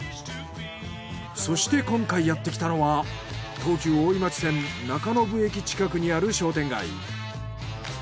そして今回やってきたのは東急大井町線中延駅近くにある商店街。